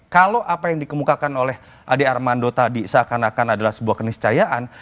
kalau apa yang dikemukakan oleh ade armando tadi seakan akan adalah sebuah keniscayaan